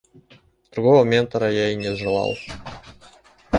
Другого ментора я и не желал.